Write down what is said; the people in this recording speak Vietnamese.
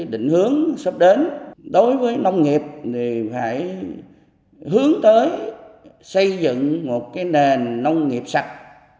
định hướng sắp đến đối với nông nghiệp thì phải hướng tới xây dựng một nền nông nghiệp sạch